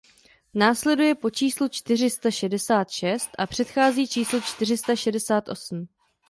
Následuje po číslu čtyři sta šedesát šest a předchází číslu čtyři sta šedesát osm.